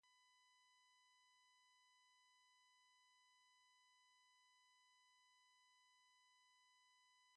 He worked on the "Painkiller Jane" series for the Sci-Fi Channel starring Kristanna Loken.